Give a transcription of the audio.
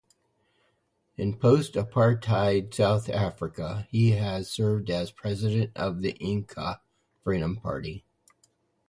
In post-apartheid South Africa he has served as President of the Inkatha Freedom Party.